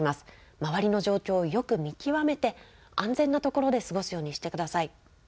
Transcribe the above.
周りの状況をよく見極めて、安全な所で過ごすようにしてください。